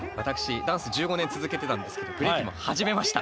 ダンス１５年続けてたんですけどブレイキンも始めました。